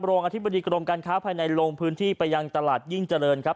อธิบดีกรมการค้าภายในลงพื้นที่ไปยังตลาดยิ่งเจริญครับ